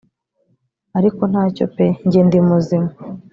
ariko ntacyo pe njye ndi muzima